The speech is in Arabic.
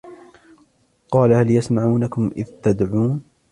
قَالَ هَلْ يَسْمَعُونَكُمْ إِذْ تَدْعُونَ